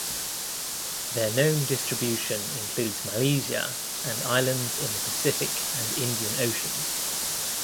Their known distribution includes Malesia and islands in the Pacific and Indian oceans.